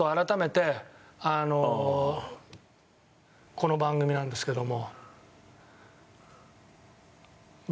この番組なんですけども。